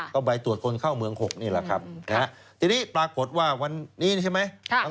ก็ไปตรวจคนเข้าเมือง๖นี่แหละครับนะฮะทีนี้ปรากฏว่าวันนี้ใช่ไหม